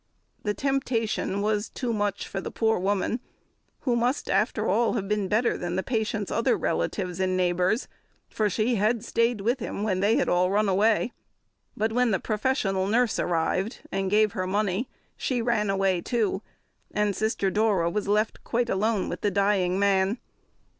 The temptation was too much for the poor woman, who must, after all, have been better than the patient's other relatives and neighbours, for she had stayed with him when they had run away. But when the professional nurse arrived and gave her money, she ran away too, and Sister Dora was left quite alone with the dying man.